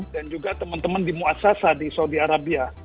dan juga teman teman di muassasa di saudi arabia